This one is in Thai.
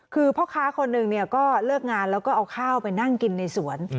คือพ่อค้าคนหนึ่งก็เลิกงานแล้วก็เอาข้าวไปนั่งกินในสวน